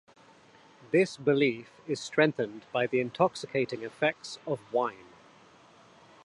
This belief is strengthened by the intoxicating effects of wine.